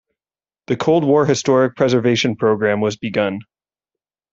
The Cold War Historic Preservation Program was begun.